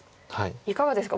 いかがですか？